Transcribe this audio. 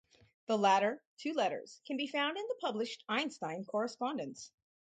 The latter two letters can be found in the published Einstein correspondence.